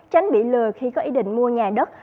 tránh bị lừa khi có ý định mua nhà đất